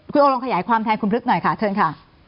คุณโอลองขยายความแทนคุณพลึกหน่อยค่ะเชิญค่ะ